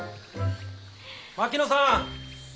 ・槙野さん！